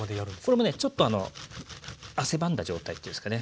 それもねちょっと汗ばんだ状態というんですかね